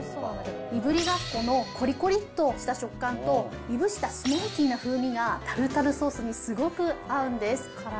いぶりがっこのこりこりっとした食感と、いぶしたスモーキーな風味がタルタルソースにすごく合うんです。